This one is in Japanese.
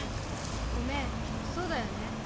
ごめんそうだよね。